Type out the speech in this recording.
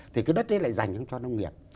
thì cái đất đấy lại dành cho nông nghiệp